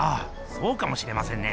そうかもしれませんね。